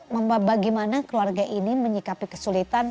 membuat bagaimana keluarga ini menyikapi kesulitan